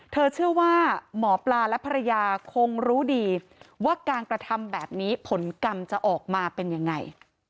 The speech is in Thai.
เชื่อว่าหมอปลาและภรรยาคงรู้ดีว่าการกระทำแบบนี้ผลกรรมจะออกมาเป็นยังไง